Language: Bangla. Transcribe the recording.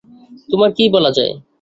তোমায় কী বলা হয়?